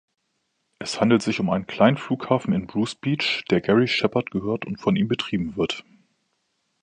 Es handelt sich um einen kleinen Flughafen in Bruce Beach, der Garry Shepherd gehört und von ihm betrieben wird.